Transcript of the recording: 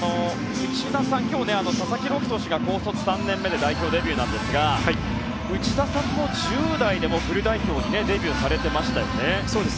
内田さん、今日佐々木朗希投手が高卒３年目で代表デビューなんですが内田さんも１０代でフル代表にデビューされていましたよね。